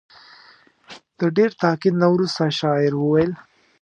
د ډېر تاکید نه وروسته شاعر وویل.